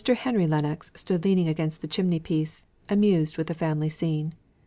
Henry Lennox stood leaning against the chimney piece, amused with the family scene.